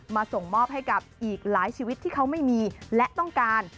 ส่งมอบให้กับอีกหลายชีวิตที่เขาไม่มีและต้องการ